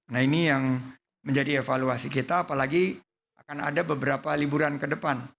nah ini yang menjadi evaluasi kita apalagi akan ada beberapa liburan ke depan